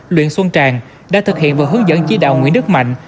luyện xuân tràng đã thực hiện và hướng dẫn chí đạo nguyễn đức mạnh